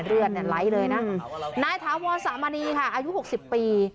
เลือดเนี่ยไหลเลยนะนายถาวรสามณีค่ะอายุหกสิบปี